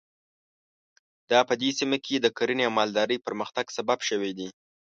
دا په دې سیمه کې د کرنې او مالدارۍ پرمختګ سبب شوي دي.